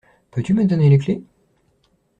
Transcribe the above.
Peux-tu me donner les clés?